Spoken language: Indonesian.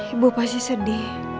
ibu pasti sedih